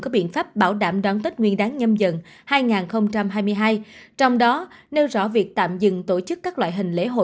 có biện pháp bảo đảm đón tết nguyên đáng nhâm dần hai nghìn hai mươi hai trong đó nêu rõ việc tạm dừng tổ chức các loại hình lễ hội